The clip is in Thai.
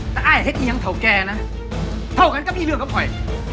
แต่อ้ายเห็นที่ยังเท่าแกนะเท่ากันกับพี่เรื่องกับปลอย